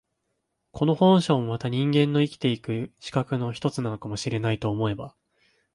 この本性もまた人間の生きて行く資格の一つなのかも知れないと思えば、